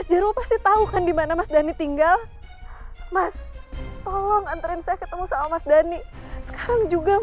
mas jaro pasti tau dimana mas dhani tinggal mas tolong anterin saya ketemu sama mas dhani sekarang juga mas